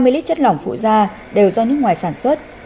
hai mươi lít chất lỏng phụ da đều do nước ngoài sản xuất